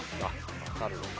分かるのか。